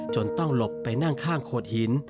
จนต้องหลบไปนั่งข้างโขดหิน